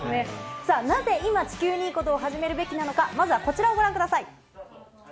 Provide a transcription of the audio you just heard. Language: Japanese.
さあ、なぜ今、地球にいいことを始めるべきなのか、まずはこちらをご覧ください。